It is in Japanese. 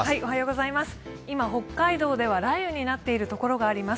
今、北海道では雷雨になっている所があります。